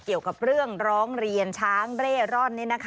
เกี่ยวกับเรื่องร้องเรียนช้างเร่ร่อน